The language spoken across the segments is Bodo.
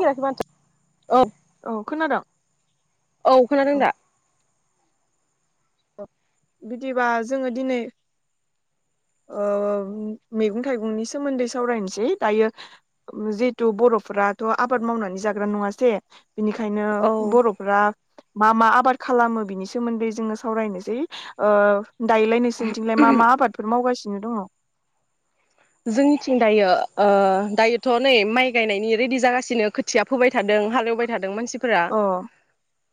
औ माथो औ खोनादों औ खोनादों दा बिदिबा जोङो दिनै ओ मैगं थाइगंनि सोमोनदै सावरायनोसै दायो जिहेथु बर'फोराथ' आबाद मावनानै जाग्रा नङासै? बिनिखायनो औ बर'फोरा मा मा आबाद खालामो बिनि सोमोनदै जोङो सावरायनोसै ओ दायलायनोसै नोंसिनिथिंलाय मा मा आबादफोर मावगासिनो? नो दङ जोंनिथिं दायो ओ दायोथ' नै माइ गायनायनि रेदि जागासिनो खोथिया फोबाय थादों हालेवबाय थादों मानसि फोरा अ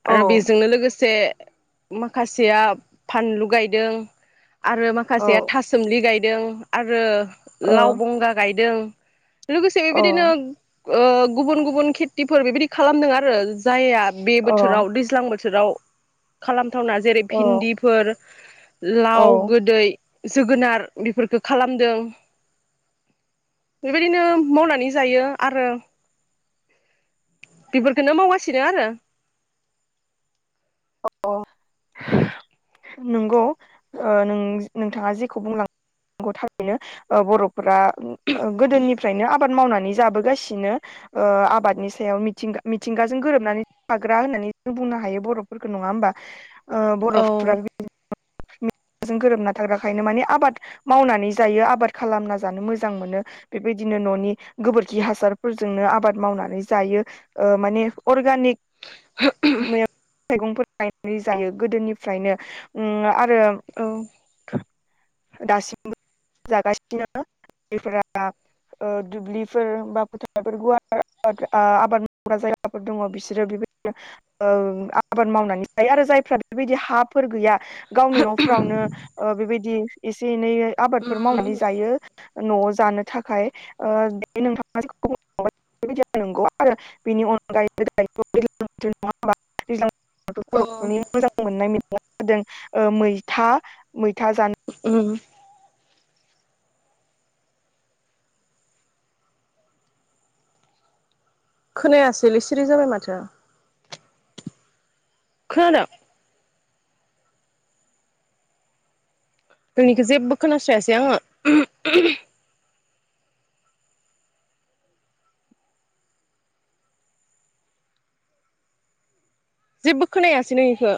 औ आरो बेजोंनो लोगोसे माखासेया फानलु गायदों आरो माखासेया औ थासुमलि गाय दों आरो अ लाव बंगा गाय दों लोगोसे अ बेदिनो ओ गुबुन गुबुन खेथिफोर बेबायदि खालामदों आरो जायहा बे अ बोथोराव दैज्लां बो थोराव खालाम थावना जेरै अ भिनदिफोर औ लाव गोदै जोगोनार बेफोरखो खालामदों। बेबायदिनो मावनानै जायो आरो बेफोरखौनो मावगासिनो आरो। अ नंगौ ओ नों नोंथाङा जेखौ बुंलांदों थारैनो बर' फोरा गोदोनिफ्रायनो आब आबाद मावनानै जाबोगासिनो। ओ आबादनि सायाव मिथिंगा मिथिंगाजों गोरोबनानै थाग्रा होननानै जों बुंनो हायो बर' फोरखौ नङा होमबा? ओ औ बर'फोरा बिबादिनो मिथिंगाजों गोरोबना थाग्राखायनो माने आबाद मावनानै जायो आबाद खालामना जानो मोजां मोनो बेबायदिनो ननि गोबोरखि हासारफोरजोंनो आबाद मावनानै जायो ओ माने अर्गानिक [unintelligible] मैगं थाइगंफोर गायनाय जायो गोदोनिफ्रायनो उम आरो दासिमबो जागासिनो जायफोरा ओ दुब्लिफोर बा फोथारफोर गुवार आ आबाद मावग्रा जायगाफोर दङ बिसोरो बेबायदिनो ओ आबाद मावनानै जायो आरो जायफ्रा बेबायदि हाफोर गैया गावनि नफ्रावनो ओ बेबायदि एसे एनैयै आबादफोर मावनानै उम जायो। नयाव जानो थाखाय ओ [unintelligible] [unintelligible] [unintelligible] औ बर'फोरनि मोजां मोननाय जादों मैथा मै उम खोनायासैलै सिरि जाबाय माथो। खोनादों? नोंनिखौ जेबो खोनास्रायासै आङो। जेबो खोनायासै नोंनिखो।